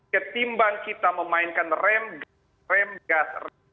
ketimbang kita memainkan rem rem gas